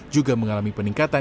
juga mengalami peningkatan